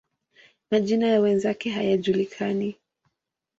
Majina ya wenzake hayajulikani.